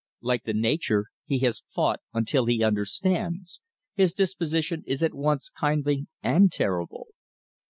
Like the nature he has fought until he understands, his disposition is at once kindly and terrible.